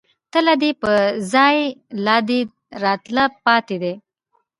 تله دې په ځائے، لا دې راتله پاتې دي